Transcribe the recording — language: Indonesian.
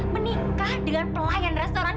menikah dengan pelayan restoran